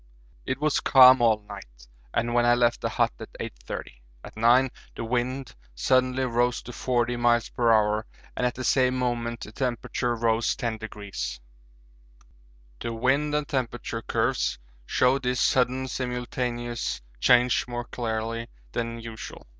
It was calm all night and when I left the hut at 8.30. At 9 the wind suddenly rose to 40 m.p.h. and at the same moment the temperature rose 10°. The wind and temperature curves show this sudden simultaneous change more clearly than usual.